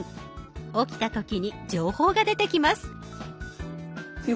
起きた時に情報が出てきます。